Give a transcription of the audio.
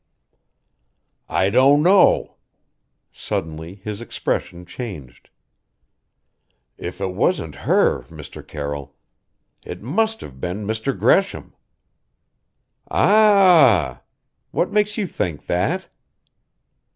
"I don't know " Suddenly his expression changed. "If it wasn't her, Mr. Carroll it must have been Mr. Gresham." "Aa a ah! What makes you think that?"